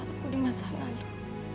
aku di masa lalu